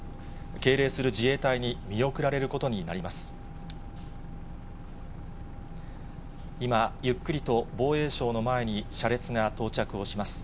敬礼する自衛隊に見送られることになります。